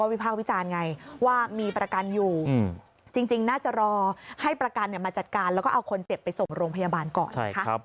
ภาควิจารณ์ไงว่ามีประกันอยู่จริงน่าจะรอให้ประกันมาจัดการแล้วก็เอาคนเจ็บไปส่งโรงพยาบาลก่อน